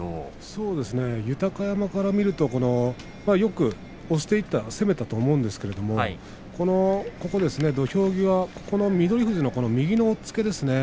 豊山から見るとよく押していった攻めたと思うんですけども土俵際、翠富士の右の押っつけですね。